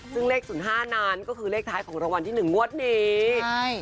ซึ่งเลข๐๕นั้นก็คือเลขท้ายของรางวัลที่๑งวดนี้ใช่